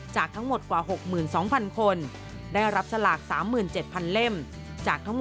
จากทั้งหมดกว่า๖๒๐๐๐คน